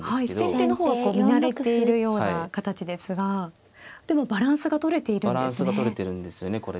はい先手の方は見慣れているような形ですがでもバランスがとれているんですね。